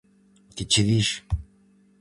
-Que che dixo?